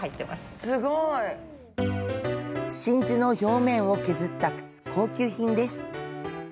真珠の表面を削った高級品です。